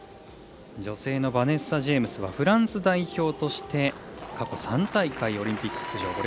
女性のバネッサ・ジェイムスはフランス代表として過去、３大会オリンピック出場。